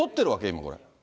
今、これ。